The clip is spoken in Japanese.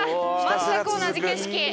全く同じ景色！